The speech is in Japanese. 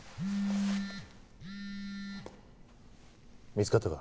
見つかったか？